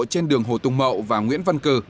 trên đường hồ tùng mậu và nguyễn văn cử